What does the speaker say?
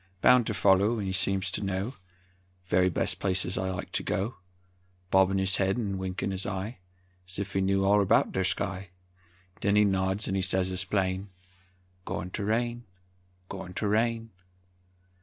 Bound ter foller 'n seems to know Very bes' places I like to go; Bobbin' his head 'n winkin' his eye, 'S if he knew all erbout ther sky; 'Nen he nods an' sez as plain, "Goin' ter rain; goin' ter rain!"